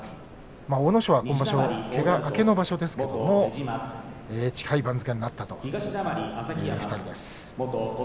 阿武咲は今場所、けが明けの場所ですけれども近い場所になったという２人です。